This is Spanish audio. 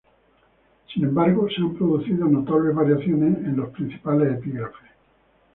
Sin embargo, se han producido notables variaciones en los principales epígrafes.